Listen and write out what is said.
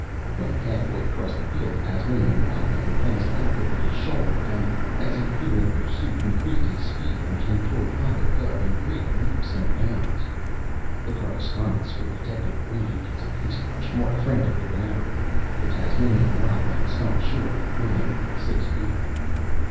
When halfway across the field, the Tasmanian Wild Man glanced back over his shoulder and, as if fearing pursuit, increased his speed and came toward Philo Gubb in great leaps and bounds. The Correspondence School detective waved his paste brush more frantically than ever. The Tasmanian Wild Man stopped short within six feet of him.